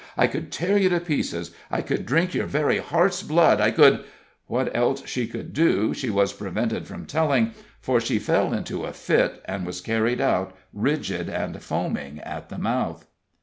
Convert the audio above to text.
I could tear you to pieces! I could drink your very heart's blood I could " What else she could do she was prevented from telling, for she fell into a fit, and was carried out rigid and foaming at the mouth.